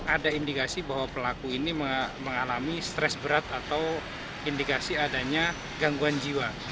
ada indikasi bahwa pelaku ini mengalami stres berat atau indikasi adanya gangguan jiwa